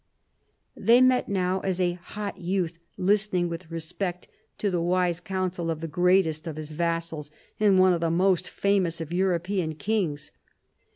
They met now as a hot youth listening with respect to the wise counsel of the greatest of his vassals and one of the most famous of European kings.